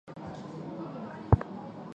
江西乡试第二十五名。